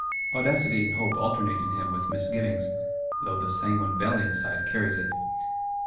Audacity and hope alternate in him with misgivings; though the sanguine valiant side carries it.